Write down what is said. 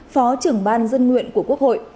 phó trưởng ban dân nguyện của quốc hội